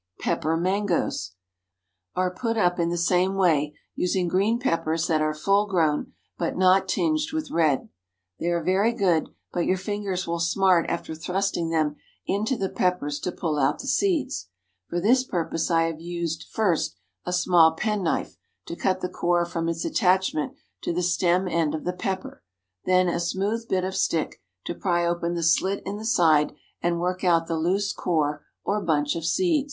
PEPPER MANGOES. ✠ Are put up in the same way, using green peppers that are full grown, but not tinged with red. They are very good, but your fingers will smart after thrusting them into the peppers to pull out the seeds. For this purpose I have used, first, a small penknife, to cut the core from its attachment to the stem end of the pepper, then a smooth bit of stick, to pry open the slit in the side and work out the loose core or bunch of seed.